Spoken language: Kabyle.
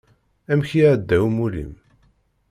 Amek iɛedda umulli-m?